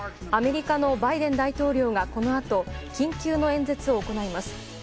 アメリカのバイデン大統領がこのあと緊急の演説を行います。